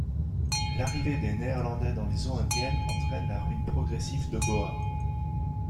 L'arrivée des Néerlandais dans les eaux indiennes entraîne la ruine progressive de Goa.